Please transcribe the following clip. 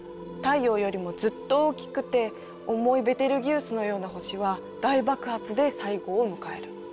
太陽よりもずっと大きくて重いベテルギウスのような星は大爆発で最後を迎える。